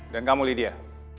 dan kamu lydia